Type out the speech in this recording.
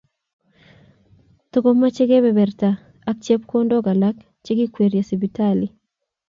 Takomochei kebeberatak chepkondook alak chekikwerie sipitalit.